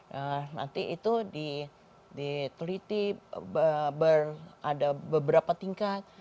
nah nanti itu diteliti ada beberapa tingkat